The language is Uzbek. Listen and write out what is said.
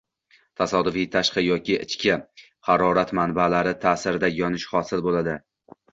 tasodifiy tashqi yoki ichki harorat manba’lari ta’sirida yonish hosil bo’ladi